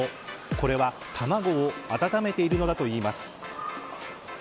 これは卵を温めているのだといいます。